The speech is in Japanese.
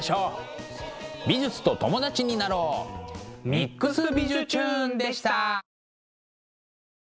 「ＭＩＸびじゅチューン！」でした。